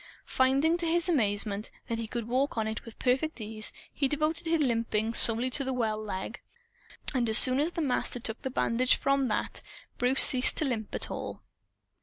Finding, to his amaze, that he could walk on it with perfect ease, he devoted his limping solely to the well leg. And as soon as the Master took the bandage from that, Bruce ceased to limp at all.